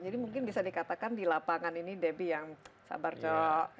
jadi mungkin bisa dikatakan di lapangan ini debbie yang sabar cok